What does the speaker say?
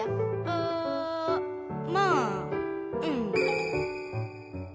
あまあうん。